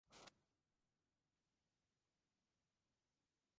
আমি কেবল আমার চিন্তা লইয়াই নিশ্চিন্ত রহিয়াছি।